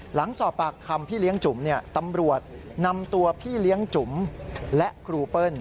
หลังสอบปากคำพี่เลี้ยงจุ๋มตำรวจนำตัวพี่เลี้ยงจุ๋มและครูเปิ้ล